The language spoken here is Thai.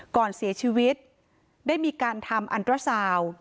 ก่อนเสียชีวิตได้มีการทำอันตราซาว